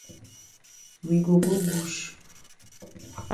We go go bush.